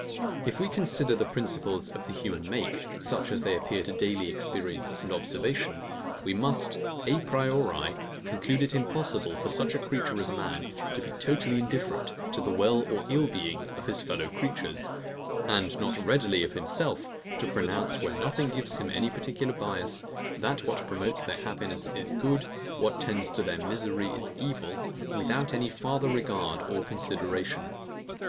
If we consider the principles of the human make, such as they appear to daily experience and observation, we must, A PRIORI, conclude it impossible for such a creature as man to be totally indifferent to the well or ill being of his fellow creatures, and not readily, of himself, to pronounce, where nothing gives him any particular bias, that what promotes their happiness is good, what tends to their misery is evil, without any farther regard or consideration.